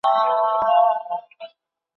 海南便蛛为缕网蛛科便蛛属的动物。